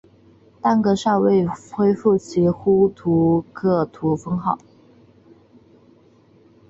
但噶厦未恢复其呼图克图封号。